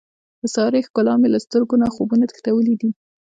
د سارې ښکلا مې له سترګو نه خوبونه تښتولي دي.